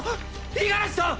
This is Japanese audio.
五十嵐さん。